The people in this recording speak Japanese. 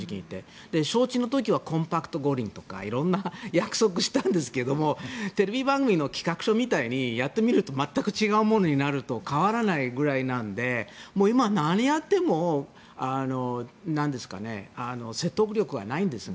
招致の時はコンパクト五輪とか色々約束したんですがテレビ番組の企画書みたいにやってみると全く違うものになるのと変わらないぐらいのものなので今、何をやっても説得力がないんですが。